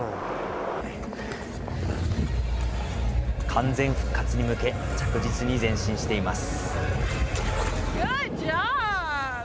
完全復活に向け、着実に前進しています。